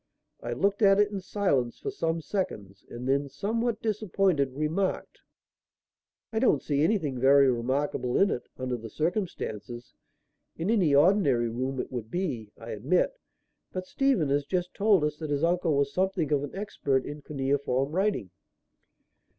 I looked at it in silence for some seconds and then, somewhat disappointed, remarked: "I don't see anything very remarkable in it, under the circumstances. In any ordinary room it would be, I admit; but Stephen has just told us that his uncle was something of an expert in cuneiform writing."